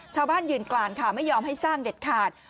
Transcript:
ชาวบ้านยืนกลานค่ะไม่ยอมให้สร้างเด็ดขาด